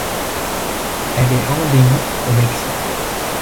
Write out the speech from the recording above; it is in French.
Elle est endémique au Mexique.